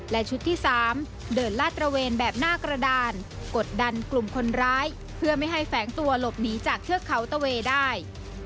และชุดที่๓เดินลาดตระเวนแบบหน้ากระดานกดดันกลุ่มคนร้ายเพื่อไม่ให้แฝงตัวหลบหนีจากเทือกเขาตะเวได้